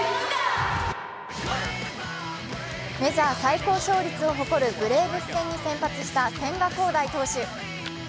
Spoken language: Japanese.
メジャー最高勝率を誇るブレーブス戦に先発した千賀滉大選手。